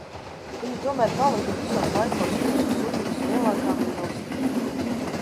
Viņa tomēr palika visos laikos visu suņu vislielākā mīlestība.